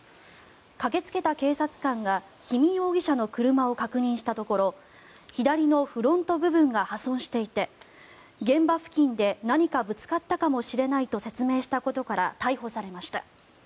駆けつけた警察官が氷見容疑者の車を確認したところ左のフロント部分が破損していて現場付近で何かぶつかったかもしれないと説明したことから逮捕されました。